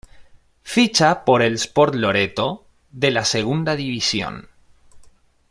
Ficha por el Sport Loreto de la Segunda División.